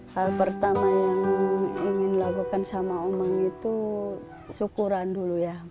hal pertama yang ingin dilakukan sama omang itu syukuran dulu ya